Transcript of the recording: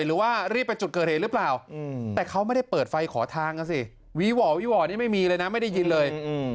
หรือว่ารีบไปจุดเกิดเหตุหรือเปล่าแต่เขาไม่ได้เปิดไฟขอทางนะสิวีหว่อวีห่อนี่ไม่มีเลยนะไม่ได้ยินเลย